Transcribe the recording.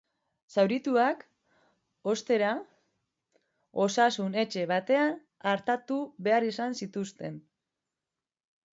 Zaurituak, ostera, osasun etxe batean artatu behar izan zituzten.